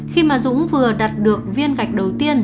khi mà dũng vừa đặt được viên gạch đầu tiên